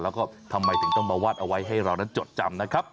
แล้วก็ทำไมถึงต้องมาวาดเอาไว้ให้เรานั้นจดจำนะครับ